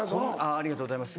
ありがとうございます。